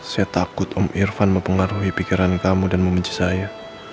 saya takut om irfan mempengaruhi pikiran kamu dan membenci saya